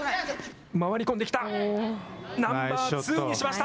回り込んできた。